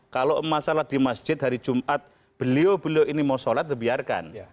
kalau masalah di masjid hari jumat beliau beliau ini mau sholat dibiarkan